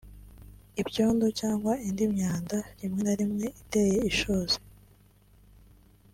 ibyondo cyangwa indi myanda rimwe na rimwe iteye ishozi